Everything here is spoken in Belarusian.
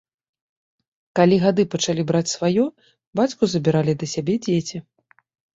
Калі гады пачалі браць сваё, бацьку забіралі да сябе дзеці.